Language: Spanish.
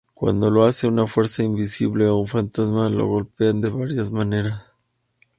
Cuando lo hace, una fuerza invisible o un fantasma lo golpean de varias maneras.